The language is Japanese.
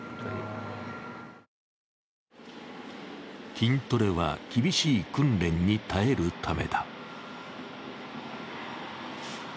筋トレは厳しい訓練に耐えるためだ。